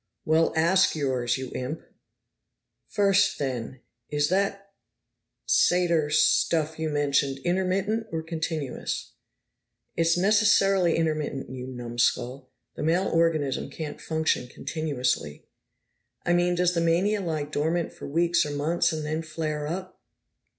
"Well, ask yours, you imp!" "First, then Is that Satyro stuff you mentioned intermittent or continuous?" "It's necessarily intermittent, you numb skull! The male organism can't function continuously!" "I mean, does the mania lie dormant for weeks or months, and then flare up?"